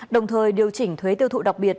đồng thời điều chỉnh thuế tiêu thụ đặc biệt